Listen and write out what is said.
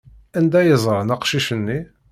Anda ay ẓran aqcic-nni?